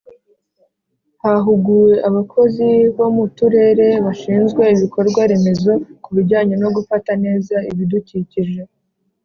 Hahuguwe abakozi bo mu Turere bashinzwe ibikorwa remezo kubijyanye no gufata neza ibidukikije